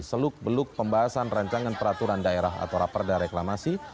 seluk beluk pembahasan rancangan peraturan daerah atau raperda reklamasi